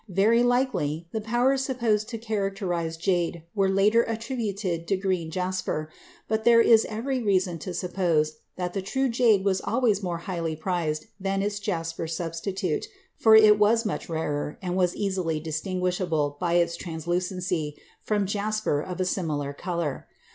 Very likely the powers supposed to characterize jade were later attributed to green jasper, but there is every reason to suppose that the true jade was always more highly prized than its jasper substitute, for it was much rarer, and was easily distinguishable, by its translucency, from jasper of a similar color.